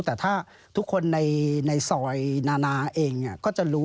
แต่ถ้าทุกคนในซอยนานาเองก็จะรู้